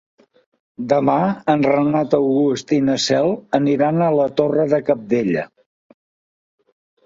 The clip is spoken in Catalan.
Demà en Renat August i na Cel aniran a la Torre de Cabdella.